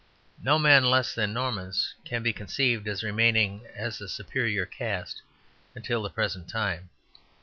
No men less than Normans can be conceived as remaining as a superior caste until the present time.